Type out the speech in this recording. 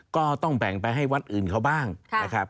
ก็ต้องแบ่งไปให้วัดอื่นเขาบ้างนะครับ